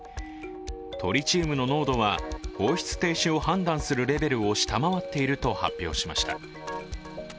トリチウムの濃度は放出停止を判断するレベルを下回っていると発表しました。